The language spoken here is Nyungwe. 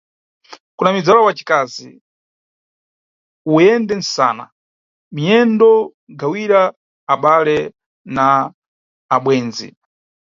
Kuna mibzala wacikazi, uyende nsana, minyendo gawira abale na abwendzi.